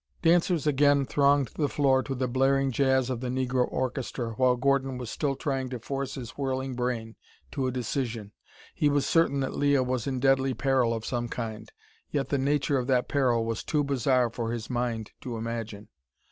Dancers again thronged the floor to the blaring jazz of the negro orchestra while Gordon was still trying to force his whirling brain to a decision. He was certain that Leah was in deadly peril of some kind, yet the nature of that peril was too bizarre for his mind to imagine.